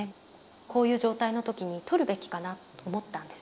こういう状態の時に撮るべきかなと思ったんです。